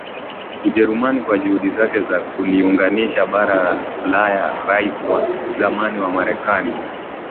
Ujerumani kwa juhudi zake za kuliunganisha bara la UlayaRais wa zamani wa Marekani